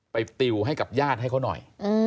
ติวให้กับญาติให้เขาหน่อย